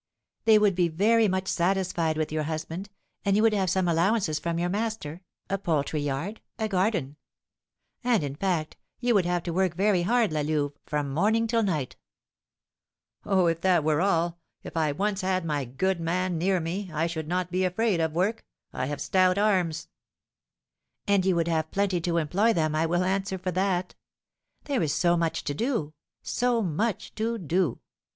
"They would be very much satisfied with your husband, and you would have some allowances from your master, a poultry yard, a garden; and, in fact, you would have to work very hard, La Louve, from morning till night." "Oh, if that were all, if I once had my good man near me, I should not be afraid of work! I have stout arms." "And you would have plenty to employ them, I will answer for that. There is so much to do, so much to do!